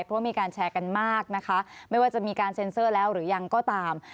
เพราะว่ามีการแชร์กันมากนะคะไม่ว่าจะมีการเซ็นเซอร์แล้วหรือยังก็ตาม